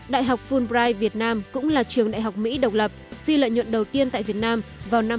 đại học fulbright việt nam cũng là trường đại học mỹ độc lập phi lợi nhuận đầu tiên tại việt nam vào năm hai nghìn hai mươi